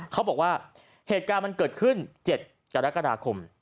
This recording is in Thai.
เขาบอกว่าเหตุการณ์มันเกิดขึ้น๗กรกฎาคม